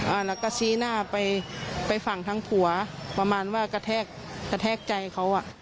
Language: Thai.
อ่าแล้วก็ชี้หน้าไปไปฝั่งทั้งผัวประมาณว่ากระแทกกระแทกใจเขาอ่ะ